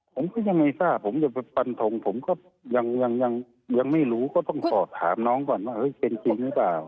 ผมก็ยังไงทราบผมจะไปฟันทงผมก็ยังไม่รู้ก็ต้องสอบถามน้องก่อนว่าเป็นจริงหรือเปล่า